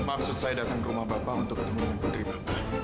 maksud saya datang ke rumah bapak untuk ketemu dengan putri bapak